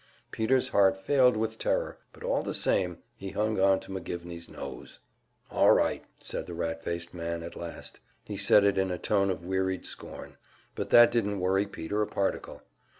Peter's heart failed with terror, but all the same, he hung on to McGivney's nose. "All right," said the rat faced man, at last. He said it in a tone of wearied scorn; but that didn't worry Peter a particle.